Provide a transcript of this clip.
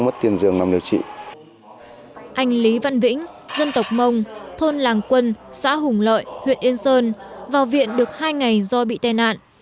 anh lý văn vĩnh dân tộc mông thôn làng quân xã hùng lợi huyện yên sơn vào viện được hai ngày do bị tai nạn